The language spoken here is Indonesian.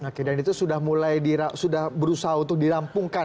oke dan itu sudah berusaha untuk dirampungkan